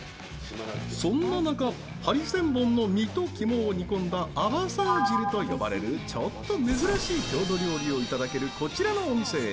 そんな中、ハリセンボンの身と肝を煮込んだアバサー汁と呼ばれる、ちょっと珍しい郷土料理をいただけるこちらのお店へ。